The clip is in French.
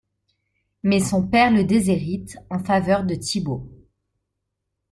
Mais son père le déshérite en faveur de Thibault.